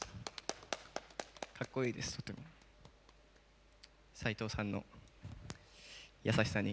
かっこいいです、本当に。